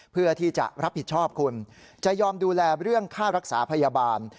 เพื่อที่จะรับผิดชอบคุณจะยอมดูแลเรื่องค่ารักษาพยาบาล